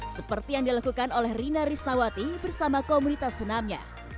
seperti yang dilakukan oleh rina risnawati bersama komunitas senamnya